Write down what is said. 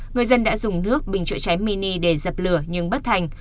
người dân đã dùng nước bình chữa cháy mini để dập lửa nhưng bất thành